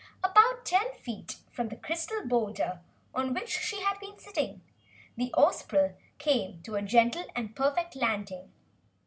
About ten feet from the crystal boulder on which she had been sitting, the Ozpril came to a gentle and perfect landing.